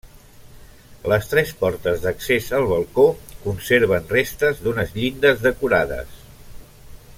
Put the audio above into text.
Les tres portes d'accés al balcó conserven restes d'unes llindes decorades.